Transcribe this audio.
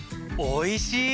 おいしい！